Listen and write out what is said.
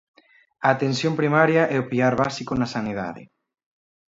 A Atención Primaria é o piar básico na sanidade.